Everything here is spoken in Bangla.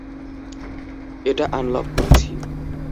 এটা আনলক করছি।